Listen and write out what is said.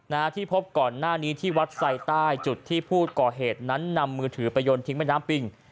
นะฮะที่พบก่อนหน้านี้ที่วัดไซใต้จุดที่ผู้ก่อเหตุนั้นนำมือถือไปยนทิ้งแม่น้ำปิง